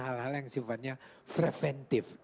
hal hal yang sifatnya preventif